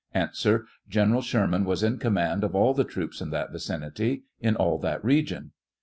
A. General Sherman was in command of all the troops in that vicinity; in all that region.